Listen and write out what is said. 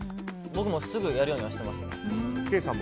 僕も、すぐやるようにはしてますね。